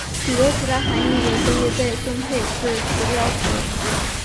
许多其他含意也可以被分配至旗标值。